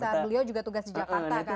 saat beliau juga tugas di jakarta kan